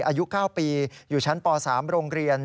อายุ๙ปีอยู่ชั้นป๓โรงเรียน